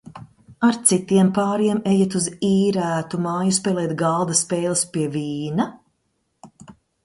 Ar citiem pāriem ejat uz īrētu māju spēlēt galda spēles pie vīna?